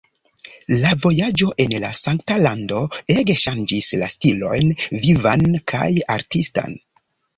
La vojaĝo en la Sankta Lando ege ŝanĝis la stilojn vivan kaj artistan.